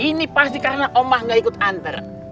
ini pasti karena omah gak ikut anter